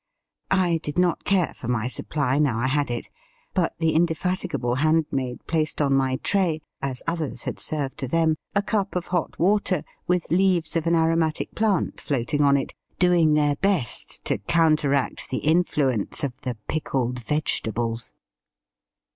I did not care for my supply now I had it, but the indefatigable handmaid placed on my tray, as others had served to them, a cup of hot water, with leaves of an aromatic plant floating on it, doing their best to counteract the influence of the pickled vegetables.